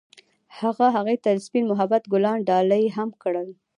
هغه هغې ته د سپین محبت ګلان ډالۍ هم کړل.